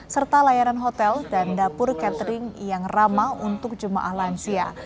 serta layanan hotel dan dapur catering yang ramah untuk jemaah lansia